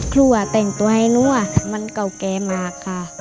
ครัวแต่งตัวให้นั่วมันเก่าแก่มากค่ะ